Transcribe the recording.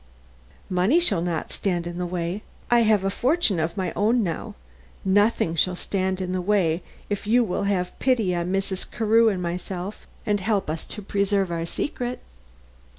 Money shall not stand in the way I have a fortune of my own now nothing shall stand in the way, if you will have pity on Mrs. Carew and myself and help us to preserve our secret."